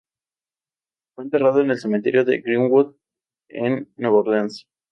Fue enterrado en el cementerio de Greenwood en Nueva Orleans.